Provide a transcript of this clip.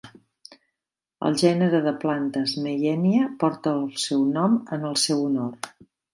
El gènere de plantes "Meyenia" porta el seu nom en el seu honor.